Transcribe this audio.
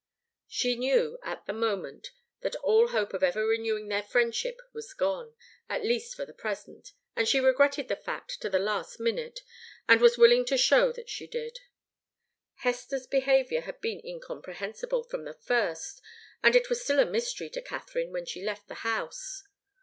She knew, at the moment, that all hope of ever renewing her friendship was gone, at least for the present, and she regretted the fact to the last minute, and was willing to show that she did. Hester's behaviour had been incomprehensible from the first, and it was still a mystery to Katharine when she left the house.